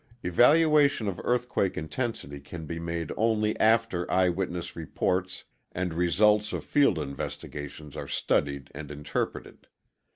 ŌĆØ Evaluation of earthquake intensity can be made only after eyewitness reports and results of field investigations are studied and interpreted.